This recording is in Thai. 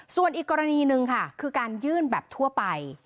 ส่วนอีกกรณีหนึ่งค่ะคือการยื่นแบบทั่วไป